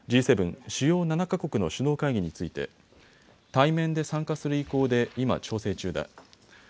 ・主要７か国の首脳会議について対面で参加する意向で今、調整中だ。